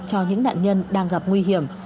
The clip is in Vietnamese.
cho những nạn nhân đang gặp nguy hiểm